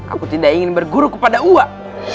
aku tidak ingin berguru kepada uang